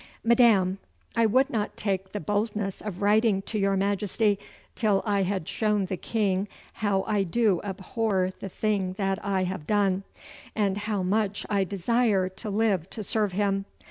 'Madam, I would not take the boldness of writing to your Majesty till I had shown the King how I do abhor the thing that I have done, and how much I desire to live to serve him.